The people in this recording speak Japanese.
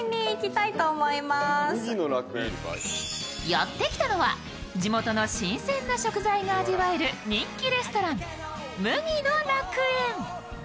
やってきたのは、地元の新鮮な食材が味わえる人気レストラン、麦の楽園。